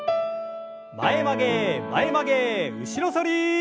前曲げ前曲げ後ろ反り。